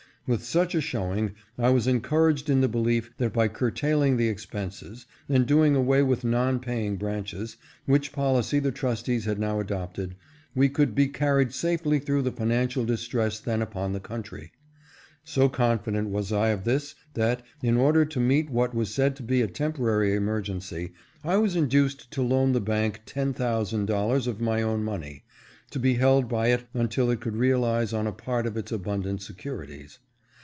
With such a showing I was encouraged in the belief that by curtailing the expenses, and doing away with non paying branches, which policy the trustees had now adopted, we could be carried safely through the financial distress then upon the country. So confident was I of this, that in order to 490 ITS TRUE INWARDNESS. meet what was said to be a temporary emergency, I was induced to loan the bank ten thousand dollars of my own money, to be held by it until it could realize on a part of its abuudant securities.